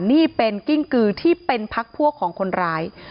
นี่เป็นกิ้งกือที่เป็นพักพวกของคนร้าย